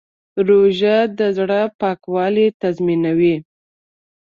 روژه د زړه پاکوالی تضمینوي.